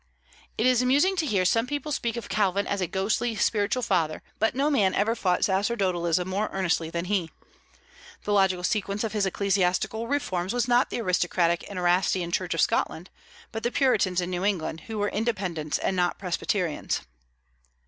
It is amusing to hear some people speak of Calvin as a ghostly spiritual father; but no man ever fought sacerdotalism more earnestly than he. The logical sequence of his ecclesiastical reforms was not the aristocratic and Erastian Church of Scotland, but the Puritans in New England, who were Independents and not Presbyterians.